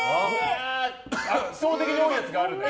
圧倒的に多いやつがあるね。